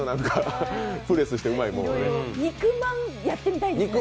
肉まん、やってみたいですね。